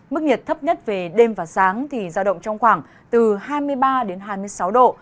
mức nhiệt thấp nhất về đêm và sáng thì giao động trong khoảng từ hai mươi ba đến hai mươi sáu độ